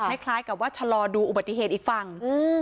คล้ายกับว่าชะลอดูอุบัติเหตุอีกฝั่ง